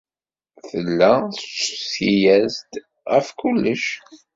Tella tettcetki-as-d ɣef kullec.